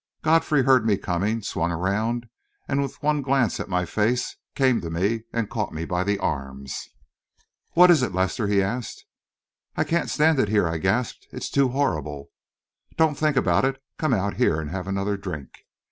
Godfrey heard me coming, swung around, and, with one glance at my face, came to me and caught me by the arms. "What is it, Lester?" he asked. "I can't stand it here," I gasped. "It's too horrible!" "Don't think about it. Come out here and have another drink."